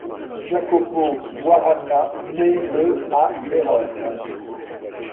Jacopo Guarana naît le à Vérone.